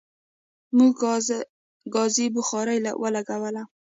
موږ ګازی بخاری ولګوله